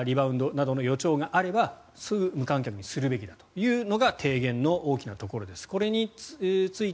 もし、何かリバウンドなどの予兆があればすぐ無観客にするべきだというのが提言の大きなところです。